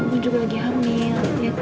kamu juga lagi hamil